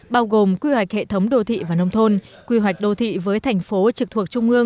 bao gồm quy hoạch hệ thống đô thị và nông thôn quy hoạch đô thị với thành phố trực thuộc trung ương